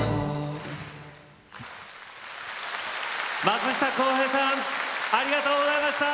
松下洸平さんありがとうございました。